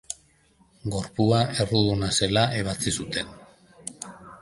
Gorpua erruduna zela ebatzi zuten.